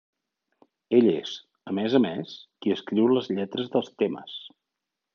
Ell és, a més a més, qui escriu les lletres dels temes.